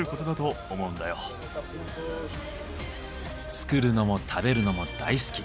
作るのも食べるのも大好き。